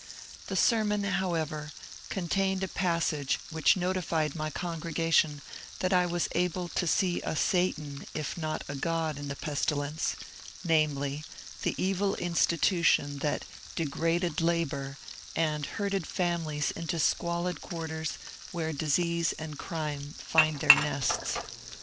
The sermon, however, contained a passage which THE YELLOW FEVER 197 notified my congregation that I was able to see a Satan if not a Grod in the pestilence, — namely, the evil institution that degraded labour and herded families into squalid quarters where disease and crime find their nests.